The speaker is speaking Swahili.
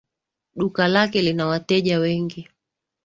Duka lake lina wateja wengi